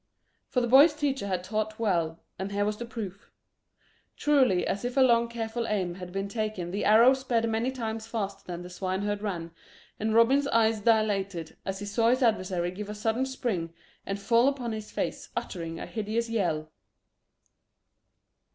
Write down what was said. For the boy's teacher had taught well, and here was the proof. Truly as if a long careful aim had been taken the arrow sped many times faster than the swineherd ran, and Robin's eyes dilated as he saw his adversary give a sudden spring and fall upon his face, uttering a hideous yell.